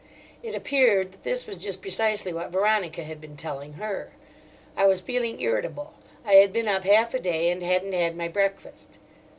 It appeared that this was just precisely what Veronica had been telling her. I was feeling irritable. I had been up half a day, and hadn't had my breakfast.